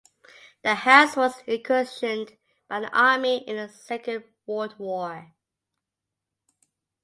The house was requisitioned by the army in the Second World War.